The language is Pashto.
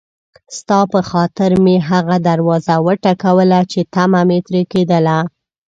ستا په خاطر مې هغه دروازه وټکوله چې طمعه مې ترې کېدله.